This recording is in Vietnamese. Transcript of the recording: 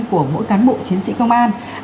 của mỗi cán bộ chiến sĩ công an